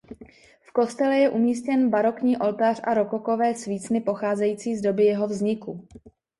V kostele je umístěn barokní oltář a rokokové svícny pocházející z doby jeho vzniku.